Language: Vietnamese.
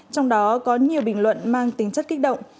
trong đó có nhiều bình luận mang tính chất kích động